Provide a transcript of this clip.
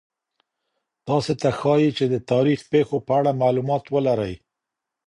تاسو ته ښایي چي د تاریخي پېښو په اړه معلومات ولرئ.